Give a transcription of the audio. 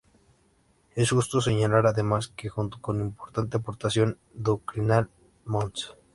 Es justo señalar, además, que junto con importante aportación doctrinal, mons.